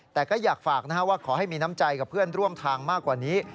แต่ก็อยากฝากว่าขอให้มีน้ำใจกับเพื่อนร่วมทางมากกว่านี้